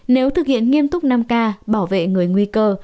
nếu thực hiện nghiêm túc năm k bảo vệ người nguy cơ